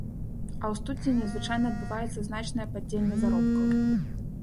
А ў студзені звычайна адбываецца значнае падзенне заробкаў.